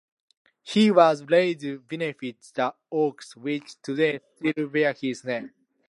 He was laid beneath the oaks which today still bear his name.